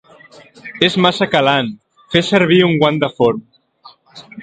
És massa calant! Fes servir un guant de forn!